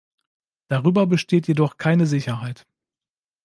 Darüber besteht jedoch keine Sicherheit.